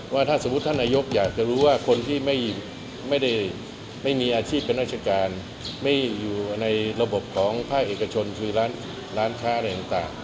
ให้ท่านยกตัดสินใจอีกทีก่อน